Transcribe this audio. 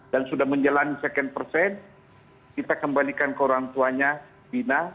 dan sudah menjalani sekian persen kita kembalikan ke orang tuanya bina